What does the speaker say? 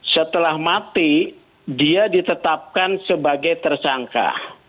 setelah mati dia ditetapkan sebagai tersangka